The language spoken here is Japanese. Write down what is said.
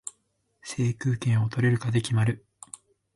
制空権を取れるかで決まる